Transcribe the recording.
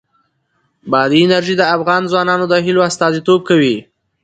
بادي انرژي د افغان ځوانانو د هیلو استازیتوب کوي.